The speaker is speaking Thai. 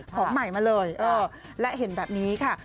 ของใหม่มาเลยและเห็นแบบนี้ค่ะ